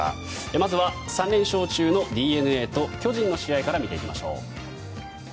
まずは３連勝中のＤｅＮＡと巨人の試合から見ていきましょう。